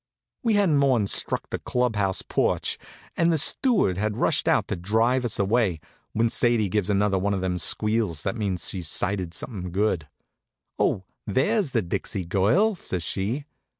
We hadn't more'n struck the club house porch, and the steward had rushed out to drive us away, when Sadie gives another one of them squeals that means she's sighted something good. "Oh, there's the Dixie Girl!" says she.